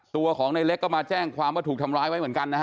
ตัวของในเล็กก็มาแจ้งความว่าถูกทำร้ายไว้เหมือนกันนะฮะ